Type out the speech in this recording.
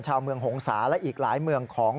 ชาวเมืองหงษาและอีกหลายเมืองของ